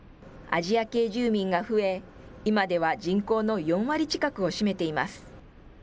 アジア系住民が増え、今では人口の４割近くを占めています。